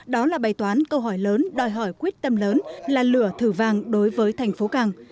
đó là bày toán câu hỏi lớn đòi hỏi quyết tâm lớn là lửa thử vàng đối với thành phố càng